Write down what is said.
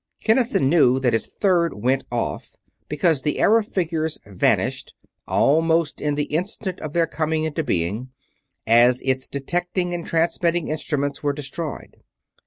Kinnison knew that his third went off, because the error figures vanished, almost in the instant of their coming into being, as its detecting and transmitting instruments were destroyed.